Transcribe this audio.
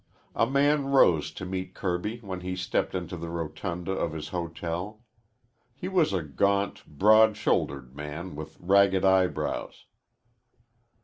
A man rose to meet Kirby when he stepped into the rotunda of his hotel. He was a gaunt, broad shouldered man with ragged eyebrows.